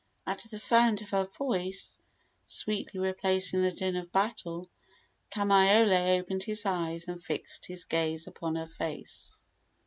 At the sound of her voice, sweetly replacing the din of battle, Kamaiole opened his eyes and fixed his gaze upon her face.